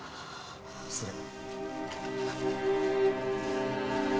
失礼。